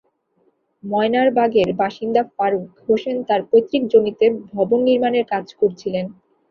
ময়নারবাগের বাসিন্দা ফারুক হোসেন তাঁর পৈতৃক জমিতে ভবন নির্মাণের কাজ করছিলেন।